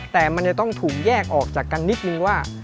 แต่มันจะต้องถูกแยกออกจากกันนิดนึงว่า